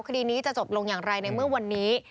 คดีนี้จะจบลงอย่างไรในเมื่อวันนี้